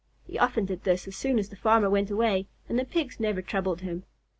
He often did this as soon as the farmer went away, and the Pigs never troubled him.